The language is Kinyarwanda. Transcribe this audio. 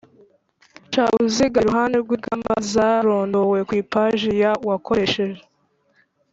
Ca uruziga iruhande rw ingamba zarondowe ku ipaje y wakoresheje